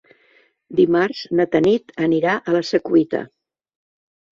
Dimarts na Tanit anirà a la Secuita.